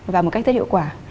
và một cách rất hiệu quả